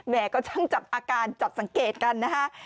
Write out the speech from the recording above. ก็ต้องจับอาการจับสังเกตกันนะฮะ